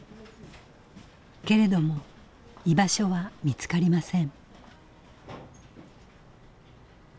けれども居場所は見つかりません。